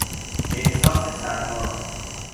احساس سرما